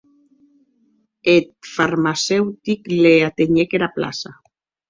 Eth farmaceutic les artenhèc ena plaça.